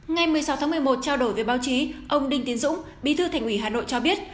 ngày một mươi sáu tháng một mươi một trao đổi với báo chí ông đinh tiến dũng bí thư thành ủy hà nội cho biết